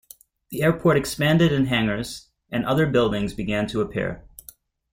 The airport expanded and hangars and other buildings began to appear.